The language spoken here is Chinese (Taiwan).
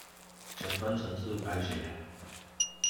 前端程式改寫